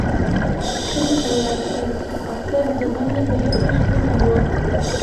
ښه مې په یاد شي اختر د مني په یخو شپو کې وو.